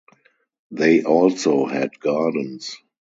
They also had gardens.